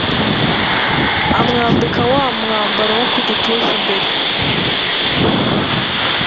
amwambika wa mwambaro wo ku gituza imbere